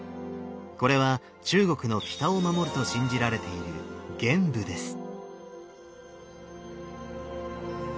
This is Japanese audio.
これは中国の北を守ると信じられている玄武です。